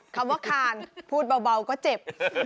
คำว่าคานพูดเบาก็เจ็บ